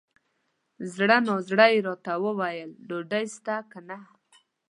زړه نا زړه یې راته وویل ! ډوډۍ سته که نه؟